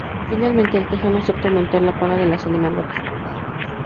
Finalmente, el texano acepta aumentar la paga de las animadoras.